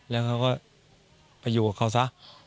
แล้วเขาก็ไปอยู่กับเขาซะ